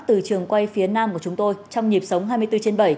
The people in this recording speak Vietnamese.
từ trường quay phía nam của chúng tôi trong nhịp sống hai mươi bốn trên bảy